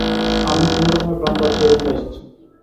আমি কোন রকমে প্রাণ বাঁচিয়ে এখানে এসেছি।